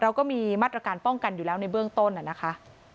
เราก็มีมาตรการป้องกันอยู่แล้วในเบื้องต้นนะคะ